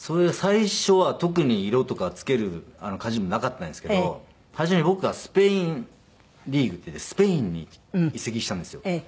最初は特に色とか付ける感じもなかったんですけど単純に僕がスペインリーグってスペインに移籍したんですよ。